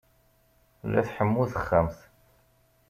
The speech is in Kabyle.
La tḥemmu texxamt.